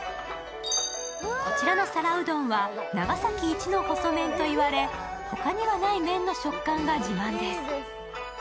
こちらの皿うどんは長崎一の細麺と言われ、他にはない麺の食感が自慢です。